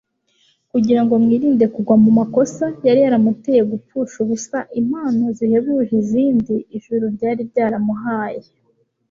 kugira ngo rwirinde kugwa mu makosa yari yaramuteye gupfusha ubusa impano zihebuje izindi ijuru ryari ryaramuhaye